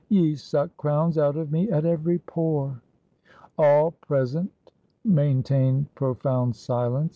Ye suck crowns out of me at every pore!" All present maintained profound silence.